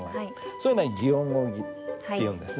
そういうのは擬音語っていうんですね。